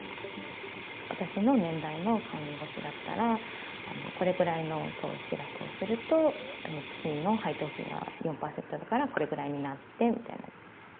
私の年代の看護師だったら、これくらいの投資額をすると、月の配当金が４％あるから、これぐらいになってみたいな。